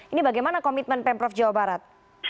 ini bagaimana komitmen pemprov jawa barat